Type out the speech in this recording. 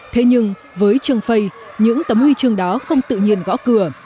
thế nhưng với trương phây những tấm huy trường đó không tự nhiên gõ cửa